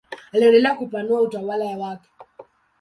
Aliendelea kupanua utawala wake.